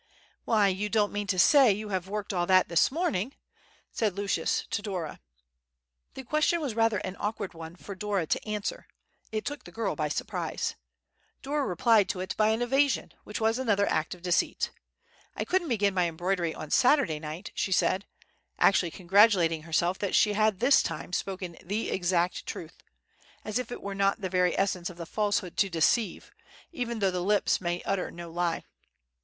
"Why, you don't mean to say that you have worked all that this morning?" said Lucius to Dora. The question was rather an awkward one for Dora to answer—it took the girl by surprise. Dora replied to it by an evasion, which was another act of deceit. "I couldn't begin my embroidery on Saturday night," she said, actually congratulating herself that she had this time spoken the exact truth, as if it were not the very essence of falsehood to deceive, even though the lips may utter no lie.